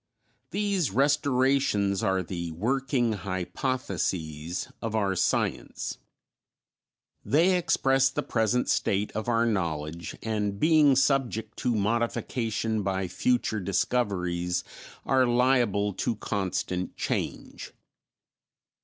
These restorations are the "working hypotheses" of our science; they express the present state of our knowledge, and, being subject to modification by future discoveries, are liable to constant change.